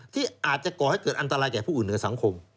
ที่อาจจะก่อให้เกิดอันตรายแก่ผู้อื่นเหนือสังคม